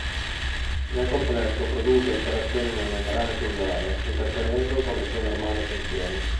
Nel complesso produce alterazioni nella membrana cellulare, interferendo con le sue normali funzioni.